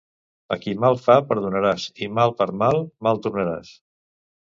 A qui mal fa perdonaràs i mal per mal mai tornaràs.